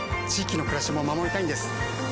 域の暮らしも守りたいんです。